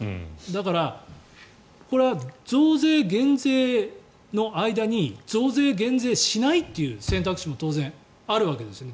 だから、これは増税、減税の間に増税、減税しないという選択肢も当然あるわけですね。